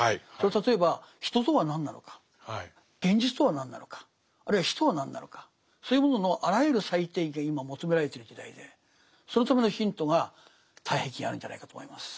例えば人とは何なのか現実とは何なのかあるいは死とは何なのかそういうもののあらゆる再定義が今求められてる時代でそのためのヒントが「太平記」にあるんじゃないかと思います。